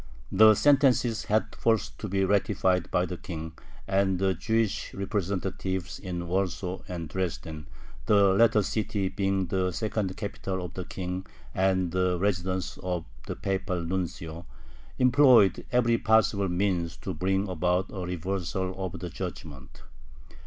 The sentence had first to be ratified by the King, and the Jewish representatives in Warsaw and Dresden, the latter city being the second capital of the King and the residence of the papal nuncio, employed every possible means to bring about a reversal of the judgment.